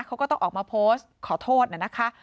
เขาก็ต้องออกมาโพสต์ขอโทษนะคะ